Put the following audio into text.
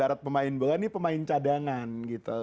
sibarat pemain belan dipemain cadangan gitu